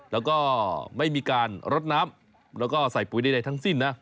แล้วก็ไม่มีการรดน้ำแล้วก็ใส่ปุ๋ยใดทั้งสิ้นนะ